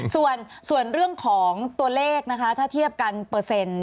ส่วนเรื่องของตัวเลขนะคะถ้าเทียบกันเปอร์เซ็นต์